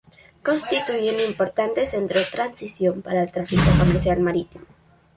Constituye un importante centro de transición para el tráfico comercial marítimo.